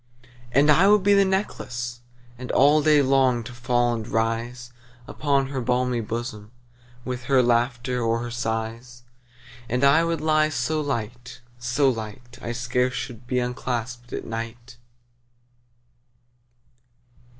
And I would be the necklace, And all day long to fall and rise Upon her balmy bosom, 15 With her laughter or her sighs: And I would lie so light, so light, I scarce should be unclasp'd at night.